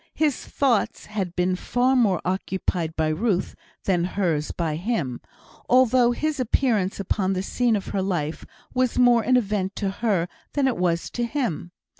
His thoughts had been far more occupied by Ruth than hers by him, although his appearance upon the scene of her life was more an event to her than it was to him.